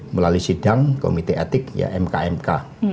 terhadap sidang komite etik mk mk